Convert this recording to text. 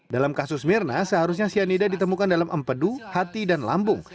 dalam kasus mirna seharusnya cyanida ditemukan dalam empedu hati dan lambung